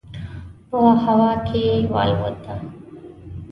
په هوا کې والوته.